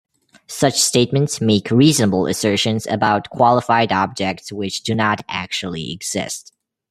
Such statements make reasonable assertions about qualified objects which do not actually exist.